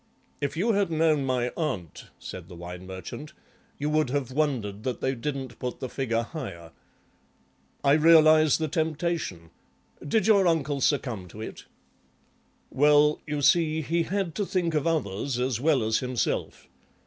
"If you had known my aunt," said the Wine Merchant, "you would have wondered that they didn't put the figure higher." "I realise the temptation. Did your uncle succumb to it?" "Well, you see, he had to think of others as well as himself.